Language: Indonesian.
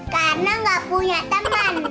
karena gak punya teman